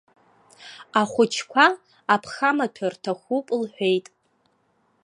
Ахәыҷқәа аԥхамаҭәа рҭахуп лҳәеит.